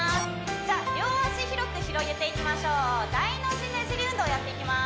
じゃあ両足広く広げていきましょう大の字ねじり運動やっていきます